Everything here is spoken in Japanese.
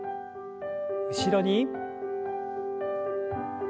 後ろに。